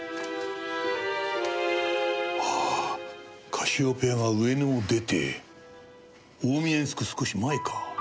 カシオペアが上野を出て大宮に着く少し前か。